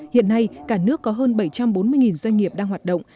hiện nay cả nước có hơn bảy trăm bốn mươi doanh nghiệp đang hoạt động